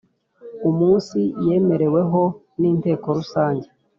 umunsi yemereweho n Inteko Rusange